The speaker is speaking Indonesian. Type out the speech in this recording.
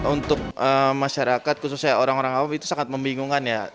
untuk masyarakat khususnya orang orang awam itu sangat membingungkan ya